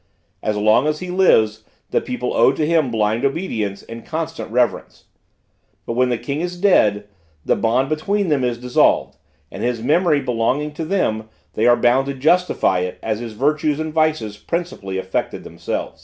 As long as he lives, the people owe to him blind obedience and constant reverence. But when the king is dead, the bond between them is dissolved, and, his memory belonging to them, they are bound to justify it as his virtues and vices principally affected themselves.